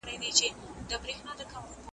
دا په دې چي غنم عقل ته تاوان دئ .